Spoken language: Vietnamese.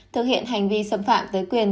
thực hiện hành vi xâm phạm